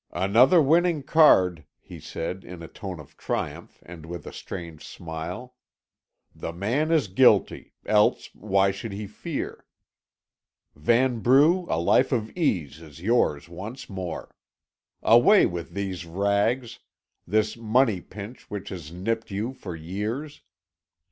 "Another winning card," he said, in a tone of triumph, and with a strange smile. "The man is guilty, else why should he fear? Vanbrugh, a life of ease is yours once more. Away with these rags, this money pinch which has nipped you for years.